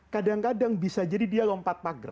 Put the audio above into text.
kadang kadang bisa jadi dia lompat magh